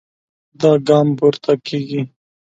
دا ګام پورته کېږي.